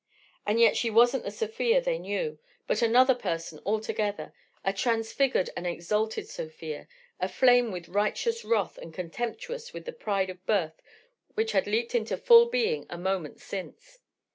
And yet she wasn't the Sofia they knew, but another person altogether, a transfigured and exalted Sofia, aflame with righteous wrath and contemptuous with the pride of birth which had leaped into full being a moment since.